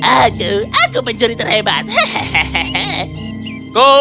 aku aku pencuri terhebat hehehe